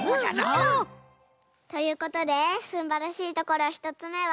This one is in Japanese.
うんうん！ということですんばらしいところ１つめは。